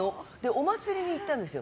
お祭りに行ったんですよ。